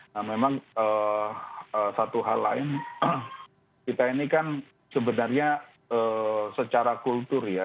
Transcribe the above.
nah memang satu hal lain kita ini kan sebenarnya secara kultur ya